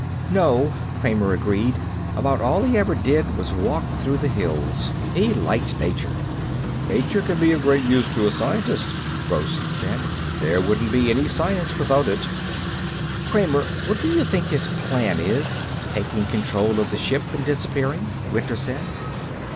"No," Kramer, agreed. "About all he ever did was walk through the hills. He liked nature." "Nature can be of great use to a scientist," Gross said. "There wouldn't be any science without it." "Kramer, what do you think his plan is, taking control of the ship and disappearing?" Winter said.